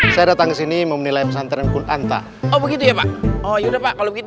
saya datang sini memiliki santran pun anta begitu ya pak oh ya udah pak kalau gitu